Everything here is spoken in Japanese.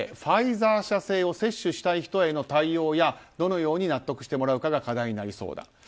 ファイザー社製を接種したい人への対応やどのように納得してもらうかが課題になりそうだ。